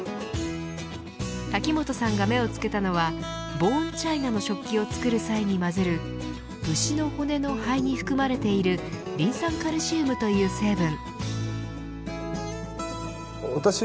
滝本さんが目をつけたのはボーンチャイナの食器を作る際にまぜる牛の骨の灰に含まれているリン酸カルシウムという成分。